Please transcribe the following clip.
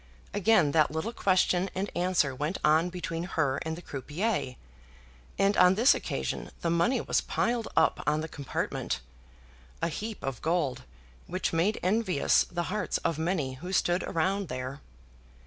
Again that little question and answer went on between her and the croupier, and on this occasion the money was piled up on the compartment a heap of gold which made envious the hearts of many who stood around there.